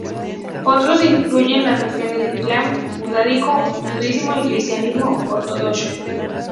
Otros incluyen las religiones del Islam, judaísmo, Budismo y cristianismo ortodoxo.